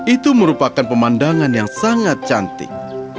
itu merupakan pemandangan yang sangat cantik